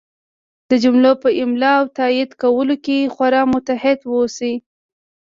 د جملو په املا او تایید کولو کې خورا محتاط اوسئ!